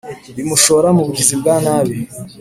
bimushora mu bugizi bwa nabi